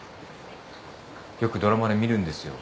よくドラマで見るんですよ。